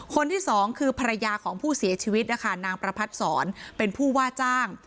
คนที่สองคือภรรยาของผู้เสียชีวิตนะคะนางประพัดศรเป็นผู้ว่าจ้าง